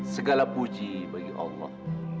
segala puji bagi allah